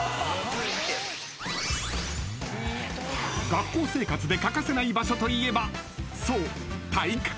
［学校生活で欠かせない場所といえばそう］